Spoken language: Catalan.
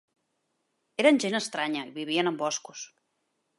Eren gent estranya, i vivien en boscos.